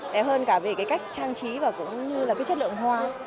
đẹp hơn cả về cái cách trang trí và cũng như là cái chất lượng hoa